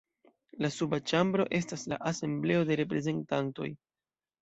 La suba ĉambro estas la Asembleo de Reprezentantoj.